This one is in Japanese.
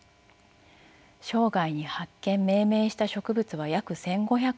生涯に発見命名した植物は約１，５００種類。